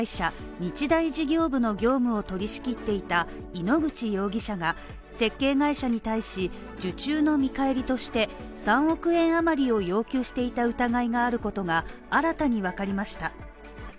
日大事業部の業務を取り仕切っていた井ノ口容疑者が設計会社に対し受注の見返りとして３億円余りを要求していた疑いがあることが新たにわかりました。